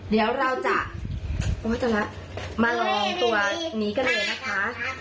เดี๋ยวเราจะตัวละมาลองตัวนี้กันเองนะคะ